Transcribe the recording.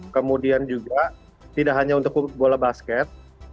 kemudian juga tidak hanya untuk bola basket